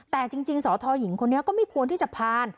แต่จริงสทหญิงคนนี้ก็ไม่ควรที่จะผ่าน